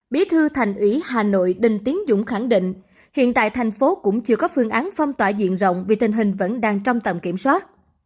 bí thư thành ủy hà nội đinh tiến dũng khẳng định hiện tại thành phố cũng chưa có phương án phong tỏa diện rộng vì tình hình vẫn đang trong tầm kiểm soát